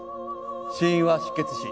死因は失血死。